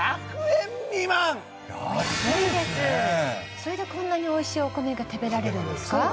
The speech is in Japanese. それでこんなにおいしいお米が食べられるんですか。